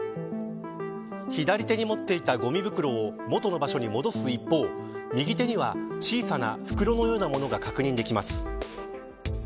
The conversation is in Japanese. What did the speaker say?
左手に持っていたごみ袋を元の場所に戻す一方右手には小さな袋のようなものが確認できます。